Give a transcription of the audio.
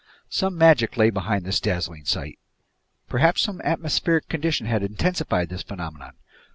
Some magic lay behind this dazzling sight! Perhaps some atmospheric condition had intensified this phenomenon?